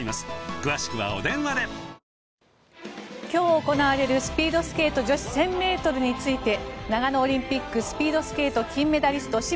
今日行われるスピードスケート女子１０００ｍについて長野オリンピックスピードスケート金メダリスト